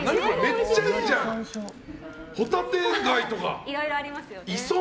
めっちゃいいじゃんホタテガイとか。